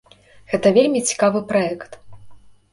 Гэта вельмі цікавы праект.